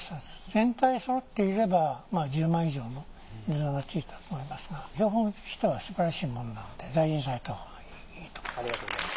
全体そろっていれば１０万以上の値段がついたと思いますが標本としてはすばらしいものなので大事にされたほうがいいと思います。